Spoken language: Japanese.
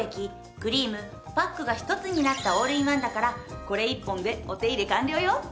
クリームパックが１つになったオールインワンだからこれ１本でお手入れ完了よ。